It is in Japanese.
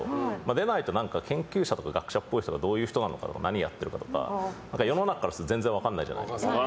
出ないと研究者とか学者っぽい人がどういう人なのかとか何やってるかとか世の中からすると全然分かんないじゃないですか。